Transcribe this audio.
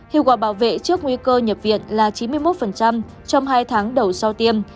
hiệu quả bảo vệ trước nguy cơ nhập viện là chín mươi một trong hai tháng đầu sau tiêm